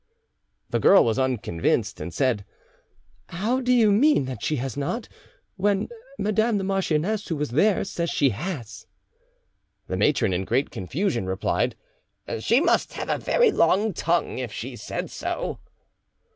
The girl was unconvinced, and said, "How do you mean that she has not, when madame the marchioness, who was there, says she has?" The matron in great confusion replied, "She must have a very long tongue, if she said so."